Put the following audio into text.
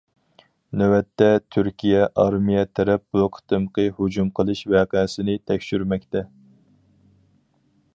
نۆۋەتتە، تۈركىيە ئارمىيە تەرەپ بۇ قېتىمقى ھۇجۇم قىلىش ۋەقەسىنى تەكشۈرمەكتە.